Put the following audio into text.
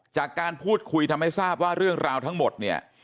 จากการพูดคุยทำให้ทราบว่าเรื่องราวทั้งหมดเนี่ย